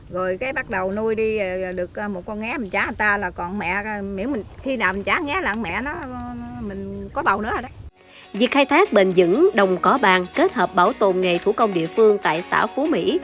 việc khai thác bền dững đồng cỏ bàn kết hợp bảo tồn nghề thủ công địa phương tại xã phú mỹ